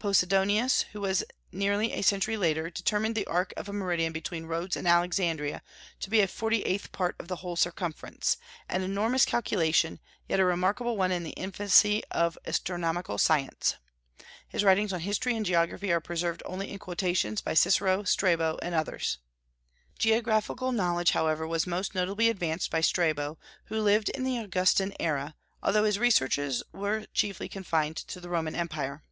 Posidonius, who was nearly a century later, determined the arc of a meridian between Rhodes and Alexandria to be a forty eighth part of the whole circumference, an enormous calculation, yet a remarkable one in the infancy of astronomical science. His writings on history and geography are preserved only in quotations by Cicero, Strabo, and others. Geographical knowledge however was most notably advanced by Strabo, who lived in the Augustan era; although his researches were chiefly confined to the Roman empire.